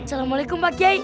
assalamualaikum pak kiai